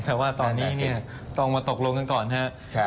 แต่ว่าตอนนี้ต้องมาตกลงกันก่อนครับ